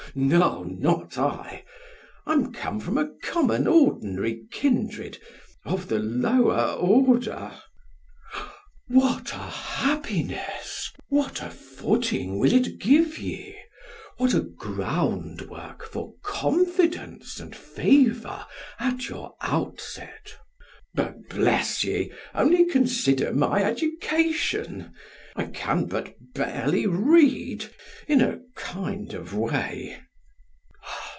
S. S. Naugh, not I; I'm come from a common ordinary kindred, Of the lower order. DEM. What a happiness! What a footing will it give ye! What a groundwork For confidence and favour at your outset! S. S. But bless ye! only consider my education! I can but barely read.... in a kind of way.